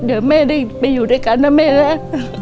เดี๋ยวไม่ได้ไปอยู่ด้วยกันตัวไม่เล่น